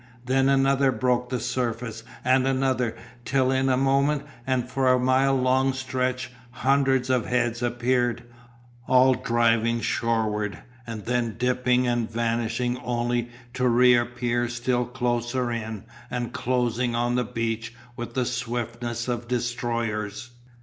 Then another broke the surface and another, till in a moment, and for a mile long stretch, hundreds of heads appeared, all driving shorewards and then dipping and vanishing only to reappear still closer in and closing on the beach with the swiftness of destroyers.